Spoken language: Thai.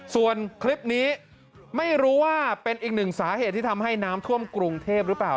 ส่วนคลิปนี้ไม่รู้ว่าเป็นอีกหนึ่งสาเหตุที่ทำให้น้ำท่วมกรุงเทพหรือเปล่า